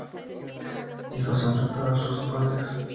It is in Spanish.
Hijos enfrentados a sus padres.